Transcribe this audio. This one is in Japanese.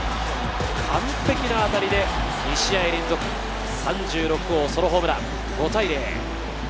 完璧な当たりで２試合連続３６号ソロホームラン、５対０。